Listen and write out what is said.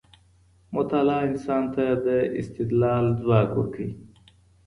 مطالعه انسان ته د استدلال ځواک ورکوي.